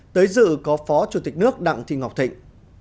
tới dự có phó chủ tịch nước đặng thị ngọc thịnh